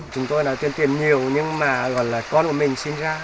chúng tôi nói tuyên truyền nhiều nhưng mà còn là con của mình sinh ra